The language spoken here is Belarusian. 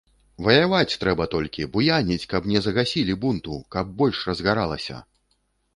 Ваяваць трэба толькі, буяніць, каб не загасілі бунту, каб больш разгаралася.